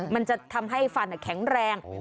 มันจะทำให้ฟันแข็งแรง